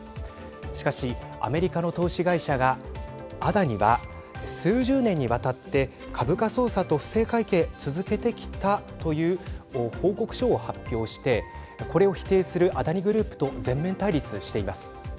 しかし、アメリカの投資会社がアダニは数十年にわたって株価操作と不正会計続けてきたという報告書を発表してこれを否定するアダニ・グループと全面対立しています。